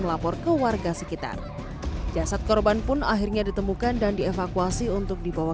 melapor ke warga sekitar jasad korban pun akhirnya ditemukan dan dievakuasi untuk dibawa